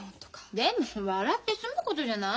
でも笑って済むことじゃない？